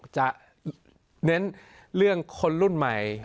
จะเน้นเรื่องคนรุ่นใหม่